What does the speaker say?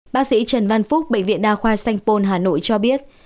bác sĩ trần văn phúc bệnh viện đa khoa sanh pôn hà nội cho biết